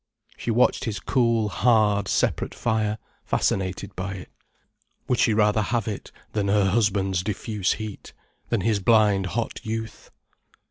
She watched his cool, hard, separate fire, fascinated by it. Would she rather have it than her husband's diffuse heat, than his blind, hot youth?